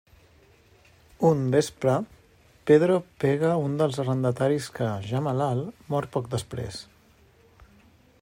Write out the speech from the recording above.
Un vespre, Pedro pega un dels arrendataris, que, ja malalt, mor poc després.